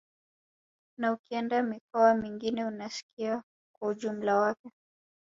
Ila ukienda mikoa mingine unasikia kwa ujumla wake